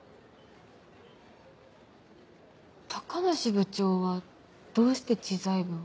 高梨部長はどうして知財部を？